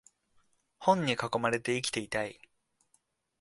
本に囲まれて生きていたい